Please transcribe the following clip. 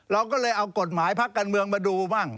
เราก็เลยเอากฎหมายพักการเมืองมาดูบ้าง